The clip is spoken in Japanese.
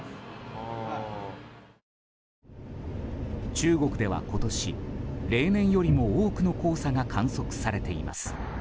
中国では今年、例年よりも多くの黄砂が観測されています。